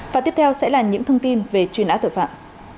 và tiếp theo sẽ là những thông tin về chuyên án tội phạm